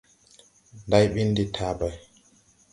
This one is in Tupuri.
Nday ɓin de taabay.